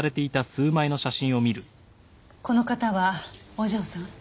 この方はお嬢さん？